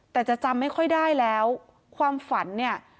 แต่จะจำไม่ค่อยได้แล้วความฝันเนี่ย